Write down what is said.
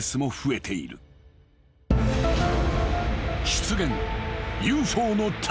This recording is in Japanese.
［出現］